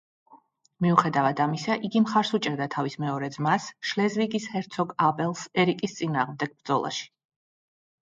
მიუხედავად ამისა, იგი მხარს უჭერდა თავის მეორე ძმას, შლეზვიგის ჰერცოგ აბელს ერიკის წინააღმდეგ ბრძოლაში.